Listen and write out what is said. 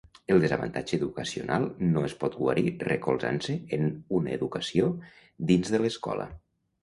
El desavantatge educacional no es pot guarir recolzant-se en una educació dins de l'escola.